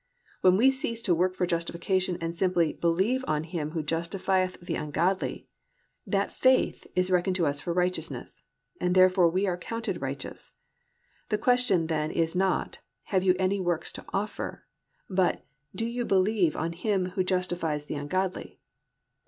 When we cease to work for justification and simply "believe on Him who justifieth the ungodly," that faith is reckoned to us for righteousness, and therefore we are counted righteous. The question then is not, have you any works to offer, but do you believe on Him who justifies the ungodly.